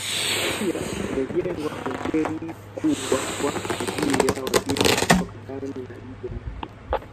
Pia kumejengwa hoteli kubwa kwa ajili ya wageni kutoka ndani na nje ya nchi